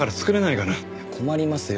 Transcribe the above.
いや困りますよ。